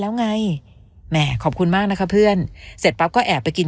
แล้วไงแหม่ขอบคุณมากนะคะเพื่อนเสร็จปั๊บก็แอบไปกิน